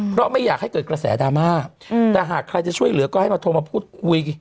เพราะไม่อยากให้เกิดกระแสดราม่าแต่หากใครจะช่วยเหลือก็ให้มาโทรมาพูดคุย